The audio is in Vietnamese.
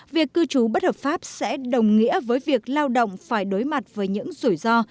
việc cư trú bất hợp pháp sẽ đồng nghĩa với việc lao động phải đối mặt với những rủi ro